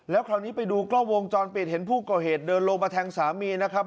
แล้วคราวนี้ไปดูกล้องวงจรปิดเห็นผู้ก่อเหตุเดินลงมาแทงสามีนะครับ